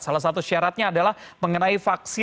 salah satu syaratnya adalah mengenai vaksin